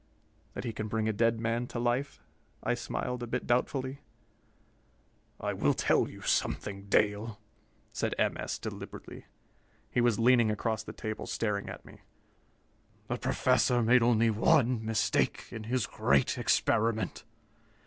"That he can bring a dead man to life?" I smiled, a bit doubtfully. "I will tell you something, Dale," said M. S. deliberately. He was leaning across the table, staring at me. "The Professor made only one mistake in his great experiment.